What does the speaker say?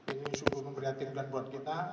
ini sungguh memprihatinkan buat kita